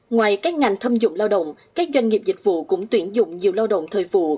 ngoài các ngành thâm dụng lao động các doanh nghiệp dịch vụ cũng tuyển dụng nhiều lao động thời vụ